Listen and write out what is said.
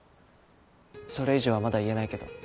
それ以上はまだ言えないけど。